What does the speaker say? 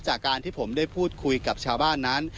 จากการที่ผมได้พูดคุยกับชาวบ้านนั้น